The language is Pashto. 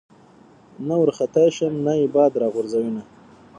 نه ورختی شم نه ئې باد را غورځوېنه